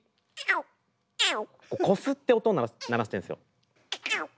こすって音を鳴らしてるんですよ。